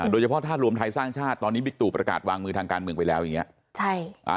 โดยเฉพาะถ้ารวมไทยสร้างชาติตอนนี้บิ๊กตู่ประกาศวางมือทางการเมืองไปแล้วอย่างนี้